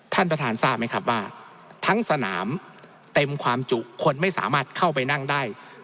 ท่านประธานทราบไหมครับว่าทั้งสนามเต็มความจุคนไม่สามารถเข้าไปนั่งได้